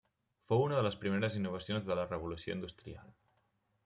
Fou una de les primeres innovacions de la Revolució Industrial.